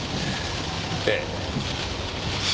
ええ。